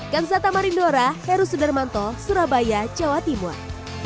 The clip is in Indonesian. kansata marindora heru sudarmanto surabaya jawa timur